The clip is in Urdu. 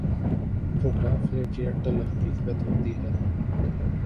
جغرافیے کی اٹل حقیقت ہوتی ہے۔